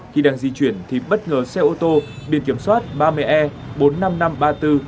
khi đang di chuyển thì bất ngờ xe ô tô biển kiểm soát ba mươi e bốn mươi năm nghìn năm trăm ba mươi bốn